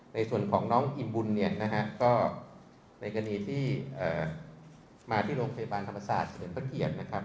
ในส่วนของน้องอิ่มบุญเนี่ยนะฮะก็ในกรณีที่มาที่โรงพยาบาลธรรมศาสตร์เฉลิมพระเกียรตินะครับ